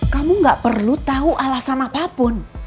kamu gak perlu tahu alasan apapun